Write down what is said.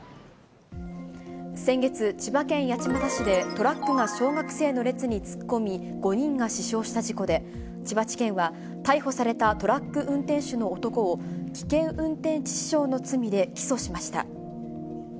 先月、千葉県八街市でトラックが小学生の列に突っ込み、５人が死傷した事故で、千葉地検は、逮捕されたトラック運転手の男を、危険運転致死傷の罪で起訴しました。